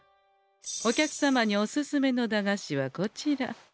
お客様におすすめの駄菓子はこちら。